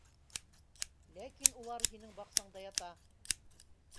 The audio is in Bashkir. Ләкин улар һинең баҡсаңда ята!